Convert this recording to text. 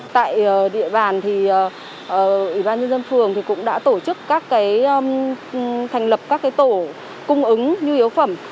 tại địa bàn thì ủy ban nhân dân phường cũng đã tổ chức các thành lập các tổ cung ứng nhu yếu phẩm